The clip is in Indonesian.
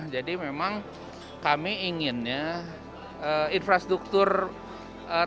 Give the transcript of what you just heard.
jadi memang kami ingin ya infrastruktur transportasi publik yang lebih memadai